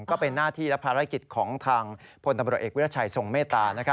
ก็เป็นหน้าที่และภารกิจของทางพลตำรวจเอกวิรัชัยทรงเมตตา